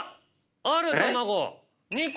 ある卵。